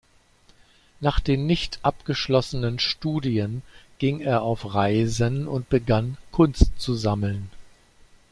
Nach den nicht abgeschlossenen Studien ging er auf Reisen und begann Kunst zu sammeln.